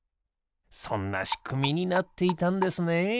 そんなしくみになっていたんですね。